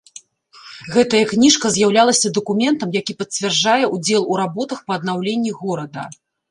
Гэтая кніжка з'яўлялася дакументам, які пацвярджае ўдзел у работах па аднаўленні горада.